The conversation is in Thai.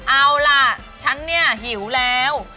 เอาล่ะฉันเนี่ยหิวแล้ว